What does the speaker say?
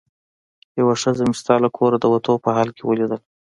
یوه ښځه مې ستا له کوره د وتو په حال کې ولیدله.